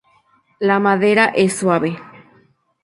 La madera es suave.